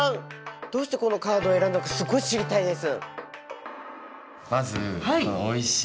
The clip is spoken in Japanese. どうしてこのカードを選んだかすごい知りたいです。